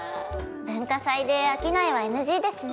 文化祭で商いはＮＧですね。